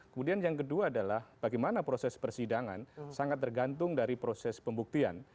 kemudian yang kedua adalah bagaimana proses persidangan sangat tergantung dari proses pembuktian